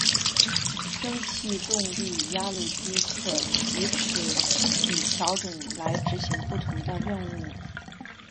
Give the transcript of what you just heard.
蒸气动力压路机可藉齿比调整来执行不同任务。